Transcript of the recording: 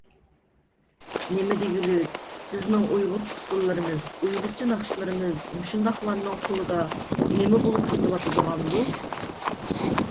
نېمە دېگۈلۈك؟ بىزنىڭ ئۇيغۇرچە ئۇسسۇللىرىمىز، ئۇيغۇرچە ناخشىلىرىمىز مۇشۇنداقلارنىڭ قولىدا نېمە بولۇپ كېتىۋاتىدىغاندۇ؟